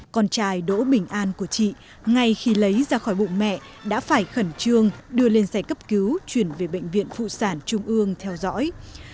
con trai đỗ bình an của chị ngay khi lấy ra khỏi bụng mẹ đã phải khẩn trương đưa lên xe cấp cứu chuyển về bệnh viện phụ sản trung ương theo dõi